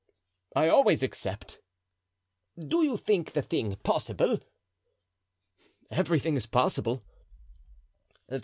"I always accept." "Do you think the thing possible?" "Everything is possible."